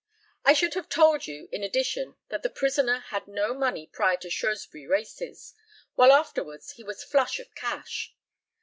I should have told you, in addition, that the prisoner had no money prior to Shrewsbury races, while afterwards he was flush of cash.